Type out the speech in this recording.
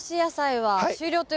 はい。